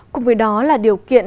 cùng với đó là điều kiện